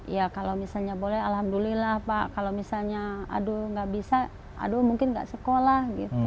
ya kalau misalnya boleh alhamdulillah pak kalau misalnya aduh nggak bisa aduh mungkin nggak sekolah gitu